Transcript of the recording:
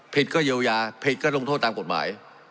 ก็เยียวยาผิดก็ลงโทษตามกฎหมาย